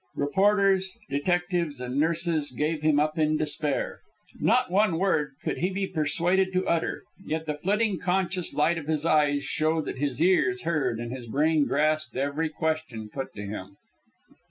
Reporters, detectives, and nurses gave him up in despair. Not one word could he be persuaded to utter; yet the flitting conscious light of his eyes showed that his ears heard and his brain grasped every question put to him.